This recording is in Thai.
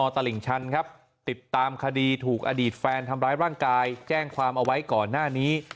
ตลิ่งชันครับติดตามคดีถูกอดีตแฟนทำร้ายร่างกายแจ้งความเอาไว้ก่อนหน้านี้